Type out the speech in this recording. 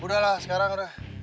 udah lah sekarang udah